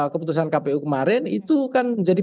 keputusan kpu kemarin itu kan jadi